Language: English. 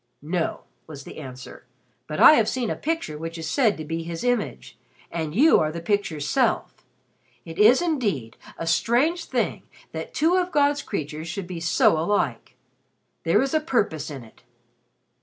"No," was the answer; "but I have seen a picture which is said to be his image and you are the picture's self. It is, indeed, a strange thing that two of God's creatures should be so alike. There is a purpose in it."